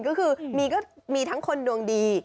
ก็คือมีทั้งคนดวงดี